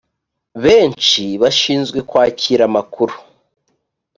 benshi bashinzwe kwakira amakuru